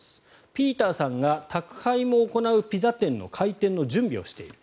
ピーターさんが宅配も行うピザ店の開店の準備をしている。